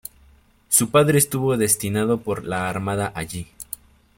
Su padre estuvo destinado por la Armada allí.